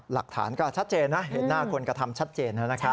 หลักฐานก็ชัดเจนนะเห็นหน้าคนกระทำชัดเจนนะครับ